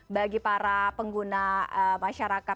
bagi para pengguna masyarakat